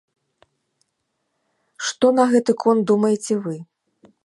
Што на гэты конт думаеце вы?